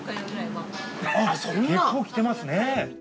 結構来てますね。